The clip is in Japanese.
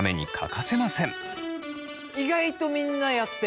意外とみんなやってない！